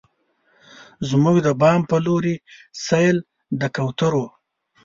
زموږ د بام په لورې، سیل د کوترو